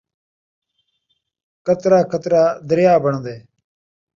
قطرہ قطرہ دریا بݨدے